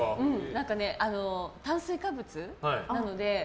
炭水化物なので。